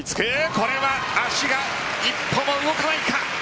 これは足が一歩も動かないか。